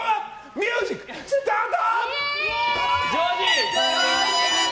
ミュージックスタート！